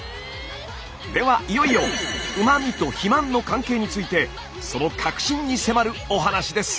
ではいよいようま味と肥満の関係についてその核心に迫るお話です。